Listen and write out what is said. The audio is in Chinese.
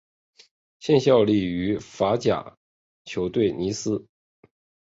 现效力于法甲球队尼斯。